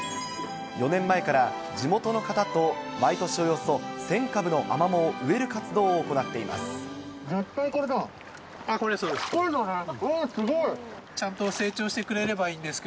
４年前から、地元の方と毎年およそ１０００株のアマモを植える活動を行っています。